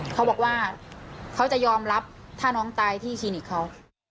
เขาบอกว่าเขาจะยอมรับถ้าน้องตายที่คลินิกเขา